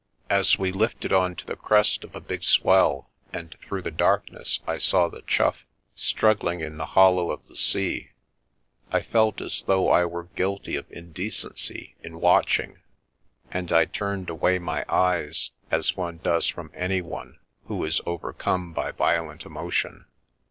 As we lifted on to the crest of a big swell and through the darkness I saw the Chough struggling in the hollow of the sea, I felt as though I were guilty of in decency in watching, and I turned away my eyes as one does from anyone who is overcome by violent emotion.